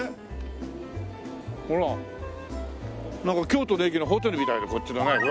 なんか京都の駅のホテルみたいでこっちがね。